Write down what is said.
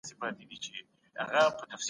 مخکي دا علم د فيلسوفانو په واک کي و.